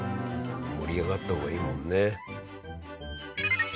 盛り上がった方がいいもんね。